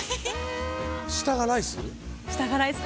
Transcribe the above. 下がライス？